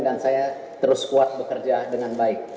dan saya terus kuat bekerja dengan baik